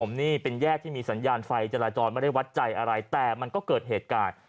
นี่เป็นแยกที่มีสัญญาณไฟจราจรไม่ได้วัดใจอะไรแต่มันก็เกิดเหตุการณ์